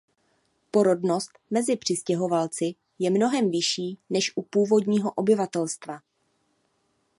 Porodnost mezi přistěhovalci je mnohem vyšší než u původního obyvatelstva.